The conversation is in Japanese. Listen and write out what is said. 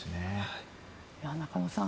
中野さん